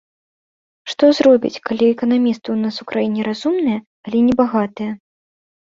Што зробіць, калі эканамісты ў нас у краіне разумныя, але не багатыя.